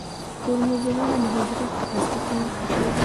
کروموزومونه د حجرې په هسته کې موقعیت لري